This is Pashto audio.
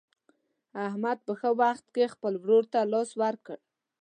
احمد په ښه وخت کې خپل ورور ته لاس ورکړ.